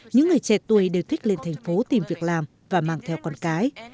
những người trẻ tuổi đều thích lên thành phố tìm việc làm và mang theo con cái